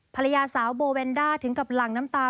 ภรรยาสาวโบแวนด้าถึงกับหลั่งน้ำตา